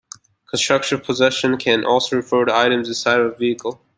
Constructive possession can also refer to items inside of a vehicle.